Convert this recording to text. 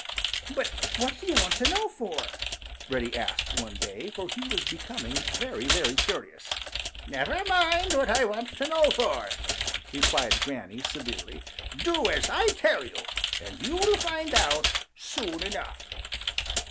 "But what do you want to know for?" Reddy asked one day, for he was becoming very, very curious. "Never mind what I want to know for," replied Granny severely. "Do as I tell you, and you will find out soon enough."